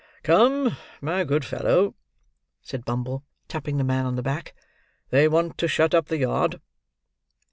"Come, my good fellow!" said Bumble, tapping the man on the back. "They want to shut up the yard."